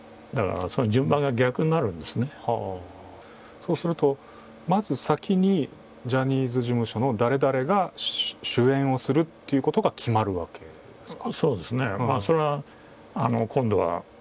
そうすると、まず先にジャニーズ事務所の誰々が主演をするということが決まるわけですか？